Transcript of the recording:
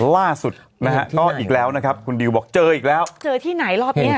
ล่าสุดนะฮะก็อีกแล้วนะครับคุณดิวบอกเจออีกแล้วเจอที่ไหนรอบเนี้ย